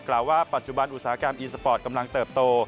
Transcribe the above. กล่าวว่าปัจจุบันอุตสาหกรรมอีสปอร์ตกำลังเติบโต